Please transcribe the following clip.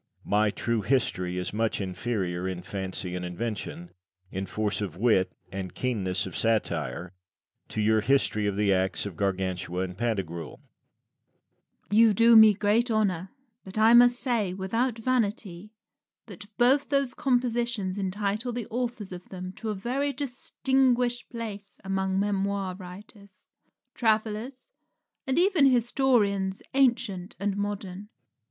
My "True History" is much inferior, in fancy and invention, in force of wit and keenness of satire, to your "History of the Acts of Gargantua and Pantagruel." Rabelais. You do me great honour; but I may say, without vanity, that both those compositions entitle the authors of them to a very distinguished place among memoir writers, travellers, and even historians, ancient and modern.